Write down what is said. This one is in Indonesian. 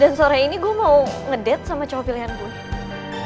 dan sore ini gue mau ngedate sama cowok pilihan gue